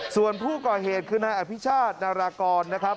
ส่วนผู้ก่อเหตุคือนายอภิชาตินารากรนะครับ